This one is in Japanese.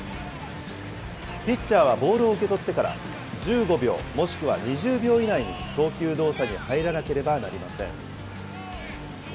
ピッチャーはボールを受け取ってから、１５秒もしくは２０秒以内に投球動作に入らなければなりません。